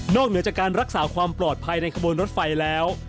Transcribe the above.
เหนือจากการรักษาความปลอดภัยในขบวนรถไฟแล้ว